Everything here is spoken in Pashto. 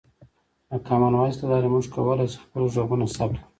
د کامن وایس له لارې موږ کولی شو خپل غږونه ثبت کړو.